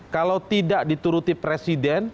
kalau tidak dituruti presiden